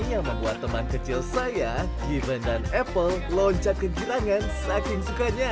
yang membuat teman kecil saya given dan epa loncat ke girangan saking sukanya